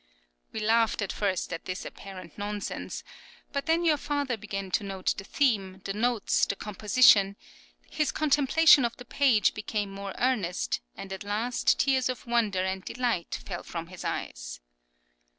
We laughed at first at this apparent nonsense, but then your father began to note the theme, the notes, the composition; his contemplation of the page became more earnest, and at last tears of wonder and delight fell from his eyes.